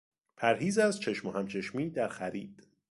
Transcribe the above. پرهیز از چشم و هم چشمی در خرید